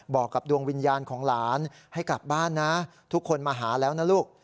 บอกกับดวงวิญญาณของหลานให้กลับบ้านนะทุกคนมาหาแล้วนะลูก